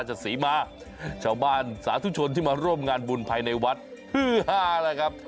แต่ผมจับจังหวะเขาไม่ถูก